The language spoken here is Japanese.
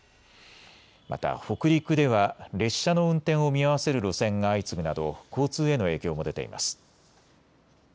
また北陸では列車の運転を見合わせる路線が相次ぐなど交通への影響も出ています。